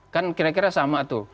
kan kira kira sama tuh